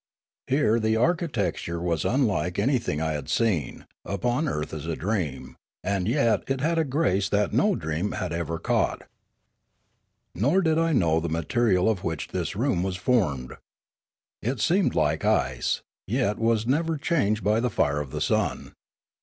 Here was architecture as unlike anything I had seen upon earth as a dream, and yet it had a grace that no dream had ever caught. Nor did I know the material of which this room was formed. It seemed like ice, yet was never changed by the fire of the sun.